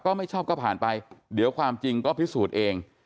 ไม่ชอบก็ผ่านไปเดี๋ยวความจริงก็พิสูจน์เอง